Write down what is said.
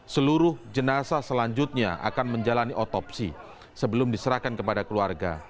seluruh jenazah selanjutnya akan menjalani otopsi sebelum diserahkan kepada keluarga